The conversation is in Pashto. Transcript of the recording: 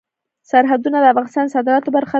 سرحدونه د افغانستان د صادراتو برخه ده.